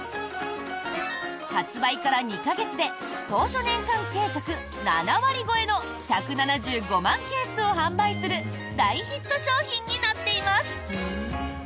発売から２か月で当初年間計画７割超えの１７５万ケースを販売する大ヒット商品になっています。